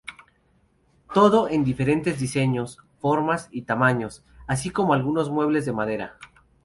Todo en diferentes diseños, formas y tamaños, así como algunos muebles en madera.